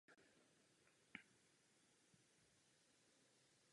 Navzdory všemu nemají tito lidé přístup k zdravotní péči.